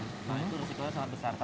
nah itu risikonya sangat besar